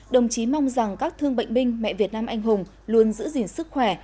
đồng chí mong rằng các thương bệnh binh mẹ việt nam anh hùng luôn giữ gìn sức khỏe